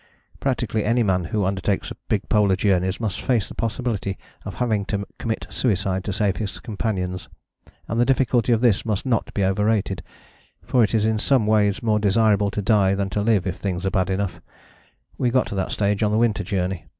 Practically any man who undertakes big polar journeys must face the possibility of having to commit suicide to save his companions, and the difficulty of this must not be overrated, for it is in some ways more desirable to die than to live if things are bad enough: we got to that stage on the Winter Journey.